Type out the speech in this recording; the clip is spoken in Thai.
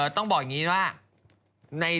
ต้องบอกอย่างนี้ว่า